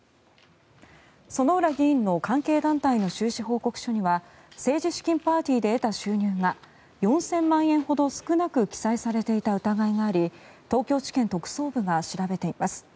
薗浦議員の関係団体の収支報告書には政治資金パーティーで得た収入が４０００万円ほど少なく記載されていた疑いがあり東京地検特捜部が調べています。